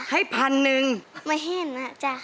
ให้หนึ่งไม่เห็นนะ